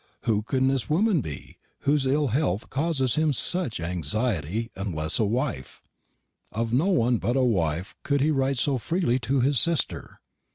Who can this woman be, whose ill health causes him such anxiety, unless a wife? Of no one but a wife could he write so freely to his sister.